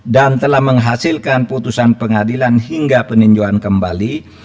dan telah menghasilkan putusan pengadilan hingga peninjauan kembali